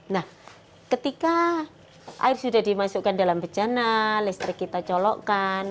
nah ketika air sudah dimasukkan dalam bejana listrik kita colokkan